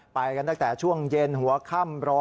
ไปกันตั้งแต่ช่วงเย็นหัวค่ำรอ